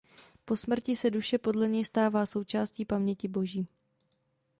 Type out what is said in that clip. Po smrti se duše podle něj stává součástí "paměti Boží".